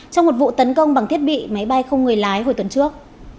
trong một vụ tấn công bằng thiết bị máy bay không người lái hồi tuần trước